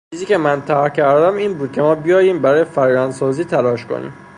چیزی که من طرح کردم این بود که ما بیایم برای فرایندسازی تلاش کنیم